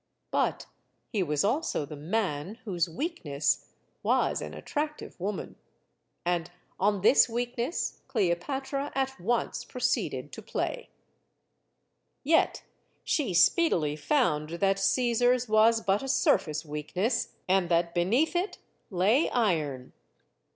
But he was also the man whose weakness CLEOPATRA 141 was an attractive woman. And on this weakness Cleopatra at once proceeded to play. Yet she speedily found that Caesar's was but a sur face weakness, and that beneath it lay iron.